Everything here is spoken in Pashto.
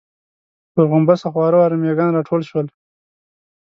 پر غومبسه خواره واره مېږيان راټول شول.